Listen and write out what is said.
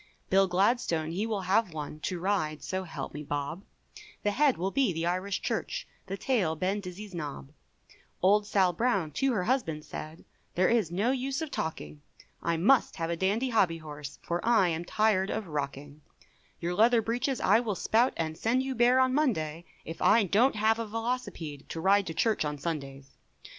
Bill Gladstone he will have one, To ride, so help me bob, The head will be the Irish Church, The tail Ben Dizzy's nob Old Sal Brown to her husband said There is no use of talking, I must have a dandy hobby horse, For I am tired of rocking; Your leather breeches I will spout, And send you bare on Monday, If I don't have a Velocipede To ride to church on Sundays.